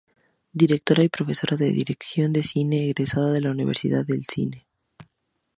Directora y profesora de dirección de cine egresada de la Universidad del Cine.